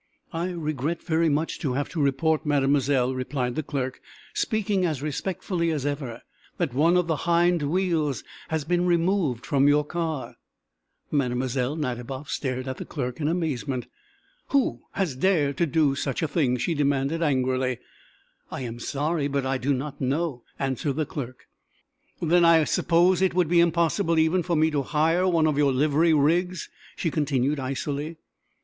"I regret very much to have to report, Mademoiselle," replied the clerk, speaking as respectfully as ever, "that one of the hind wheels has been removed from your car." Mlle. Nadiboff stared at the clerk in amazement. "Who has dared do such a thing?" she demanded, angrily. "I am sorry, but I do not know," answered the clerk. "Then I suppose it would be impossible, even, for me to hire one of your livery rigs?" she continued icily.